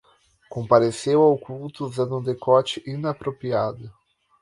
Compareceu ao culto usando um decote inapropriado